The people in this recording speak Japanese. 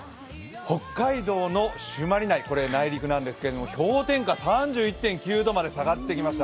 北海道の朱鞠内、内陸なんですけど氷点下３１．９度まで下がってきました。